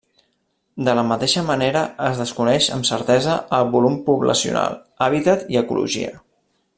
De la mateixa manera, es desconeix amb certesa el volum poblacional, hàbitat i ecologia.